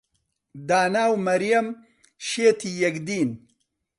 دانا و مەریەم شێتی یەکدین.